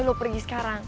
lo pergi sekarang